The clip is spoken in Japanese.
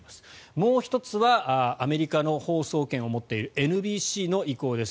もう１つはアメリカの放送権を持っているＮＢＣの意向です。